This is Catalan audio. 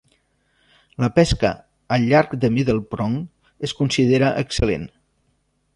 La pesca al llarg de Middle Prong es considera excel·lent.